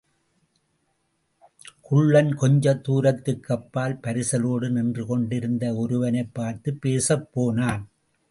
குள்ளன் கொஞ்ச தூரத்துக்கப்பால் பரிசலோடு நின்றுகொண்டிருந்த ஒருவனைப் பார்த்துப் பேசப் போனான்.